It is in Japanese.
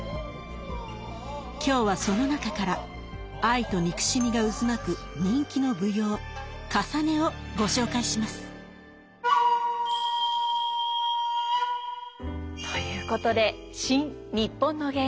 今日はその中から愛と憎しみが渦巻く人気の舞踊「かさね」をご紹介します。ということで「新・にっぽんの芸能」